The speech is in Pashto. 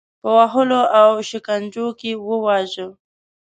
په وهلو او شکنجو کې وواژه.